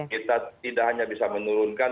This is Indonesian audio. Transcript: kita tidak hanya bisa menurunkan